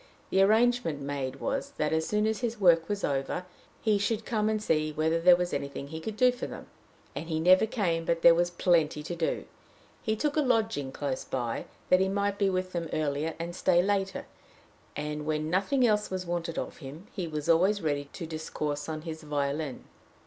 The arrangement made was, that, as soon as his work was over, he should come and see whether there was anything he could do for them. And he never came but there was plenty to do. He took a lodging close by, that he might be with them earlier, and stay later; and, when nothing else was wanted of him, he was always ready to discourse on his violin.